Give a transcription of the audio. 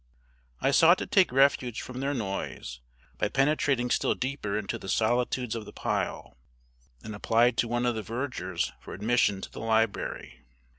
I sought to take refuge from their noise by penetrating still deeper into the solitudes of the pile, and applied to one of the vergers for admission to the library.